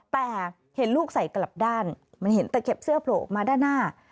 แต่เห็นลูกใส่กลับด้านมันเห็นตะเข็บเสื้อโผล่ออกมาด้านหน้า